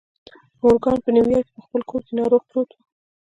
مورګان په نیویارک کې په خپل کور کې ناروغ پروت و